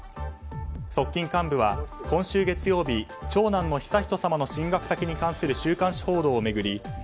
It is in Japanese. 側近幹部は今週月曜日長男の悠仁さまの進学先に関する週刊誌報道を巡り